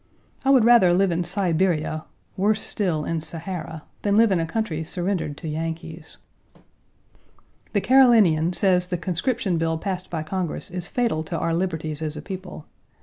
I would rather live in Siberia, worse still, in Sahara, than live in a country surrendered to Yankees. The Carolinian says the conscription bill passed by Congress is fatal to our liberties as a people.